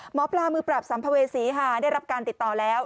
หมอปลามือปราบสัมภเวษีค่ะได้รับการติดต่อแล้ว